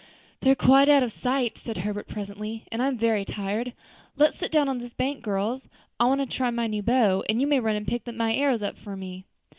"They're quite out of sight," said Herbert presently, "and I'm very tired. Let's sit down on this bank, girls; I want to try my new bow, and you may run and pick up my arrows for me."